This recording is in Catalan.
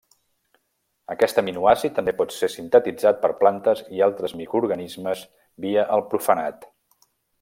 Aquest aminoàcid també pot ser sintetitzar per plantes i altres microorganismes via el profanat.